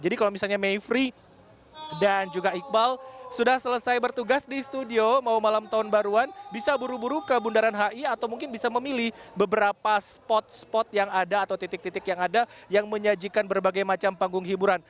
jadi kalau misalnya mayfri dan juga iqbal sudah selesai bertugas di studio mau malam tahun baruan bisa buru buru ke bundaran hi atau mungkin bisa memilih beberapa spot spot yang ada atau titik titik yang ada yang menyajikan berbagai macam panggung hiburan